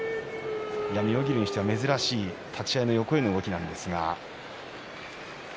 妙義龍にしては珍しい立ち合い横への動きでした。